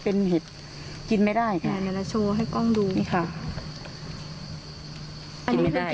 เป็นเห็ดกินไม่ได้ค่ะเดี๋ยวเราโชว์ให้กล้องดูนี่ค่ะกินไม่ได้